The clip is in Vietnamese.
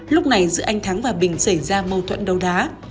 lúc này giữa anh thắng và bình xảy ra mâu thuẫn đầu đá